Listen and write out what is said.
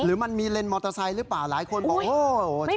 หรือมันมีเลนส์มอเตอร์ไซด์หรือเปล่าหลายคนบอกโอ้ยไม่มีอ่ะคุณ